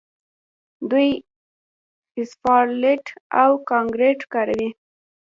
دوی اسفالټ او کانکریټ کاروي.